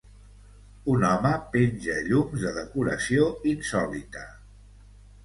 Un home penja llums de decoració insòlita.